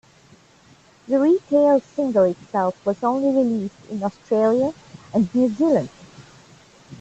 The retail single itself was only released in Australia and New Zealand.